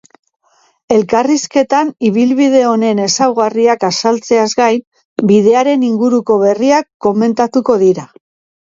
Elkarrizketan, ibilbide honen ezaugarriak azaltzeaz gain, bidearen inguruko berriak komentatuko dira.